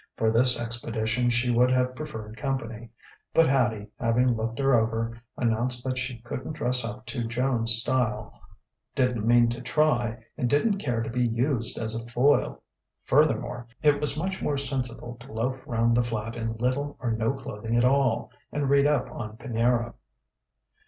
For this expedition she would have preferred company; but Hattie, having looked her over, announced that she couldn't dress up to Joan's style, didn't mean to try, and didn't care to be used as a foil; furthermore, it was much more sensible to loaf round the flat in little or no clothing at all, and read up on Pinero.